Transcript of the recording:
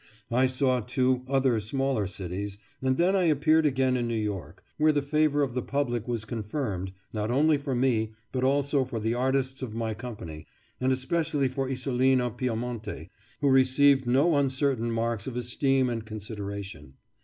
I saw, too, other smaller cities, and then I appeared again in New York, where the favour of the public was confirmed, not only for me, but also for the artists of my company, and especially for Isolina Piamonti, who received no uncertain marks of esteem and consideration.